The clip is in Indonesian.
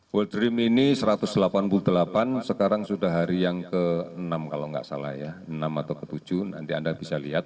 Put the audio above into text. world dream ini satu ratus delapan puluh delapan sekarang sudah hari yang ke enam kalau nggak salah ya enam atau ke tujuh nanti anda bisa lihat